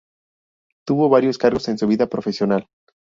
Tuvo varios cargos en su vida profesional.